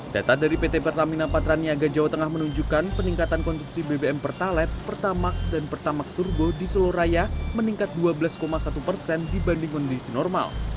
data dari pt pertamina patraniaga jawa tengah menunjukkan peningkatan konsumsi bbm pertalet pertamax dan pertamax turbo di solo raya meningkat dua belas satu persen dibanding kondisi normal